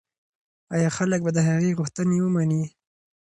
ایا خلک به د هغه غوښتنې ومني؟